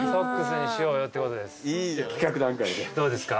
どうですか？